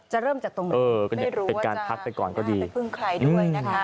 จะเริ่มจากตรงนี้ไม่รู้ว่าจะไปพึ่งใครด้วยนะคะ